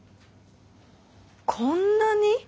こんなに？